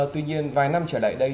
tuy nhiên vài năm trở lại đây